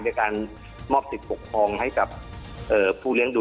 ในการมอบสิทธิ์ปกครองให้กับผู้เลี้ยงดู